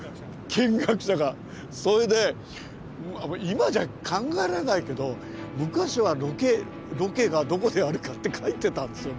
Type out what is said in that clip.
今じゃ考えられないけど昔はロケがどこであるかって書いてたんですよ。